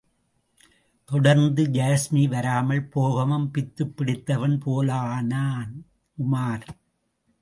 தொடர்ந்து யாஸ்மி வராமல் போகவும் பித்துப் பிடித்தவன் போலானான் உமார்.